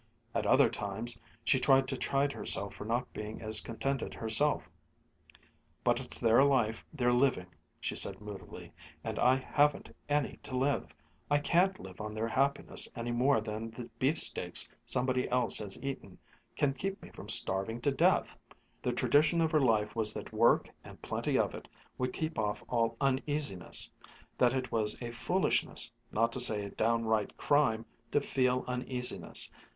At other times she tried to chide herself for not being as contented herself, "... but it's their life they're living," she said moodily, "and I haven't any to live. I can't live on their happiness any more than the beefsteaks somebody else has eaten can keep me from starving to death." The tradition of her life was that work and plenty of it would keep off all uneasiness, that it was a foolishness, not to say a downright crime, to feel uneasiness.